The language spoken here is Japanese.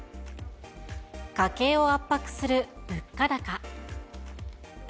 家計を圧迫する物価高。